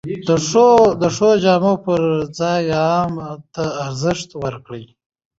د ښو جامو پر ځای علم ته ارزښت ورکړئ!